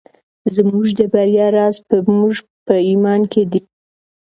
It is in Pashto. زموږ د بریا راز په زموږ په ایمان کې دی.